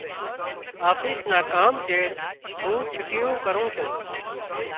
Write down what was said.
آفيس نا ڪام چيڙ مُون ڇُٽُو ڪرُون سُون۔